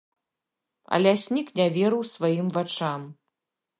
А ляснік не верыў сваім вачам.